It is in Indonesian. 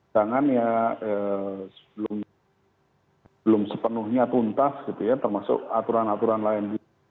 jangan ya belum sepenuhnya tuntas gitu ya termasuk aturan aturan lain